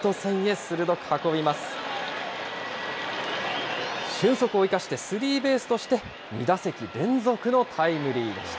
俊足を生かして、スリーベースとして、２打席連続のタイムリーでした。